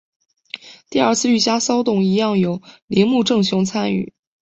第二次御家骚动一样有铃木正雄参与。